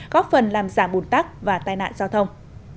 góp phần làm giảm bùn tắc và tai nạn giao thông